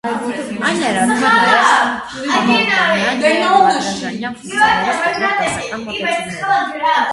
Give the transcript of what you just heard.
Այն ներառում է նաև համիլտոնյան և լագրանժյան ֆունկցիաներով տրվող դասական մոտեցումները։